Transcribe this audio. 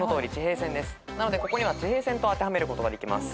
なのでここには「ちへいせん」と当てはめることができます。